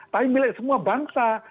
tapi milik semua bangsa